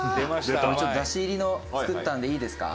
「ちょっと出汁入りの作ったのでいいですか？」